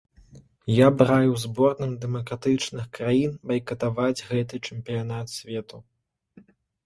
Я б раіў зборным дэмакратычных краін байкатаваць гэты чэмпіянат свету.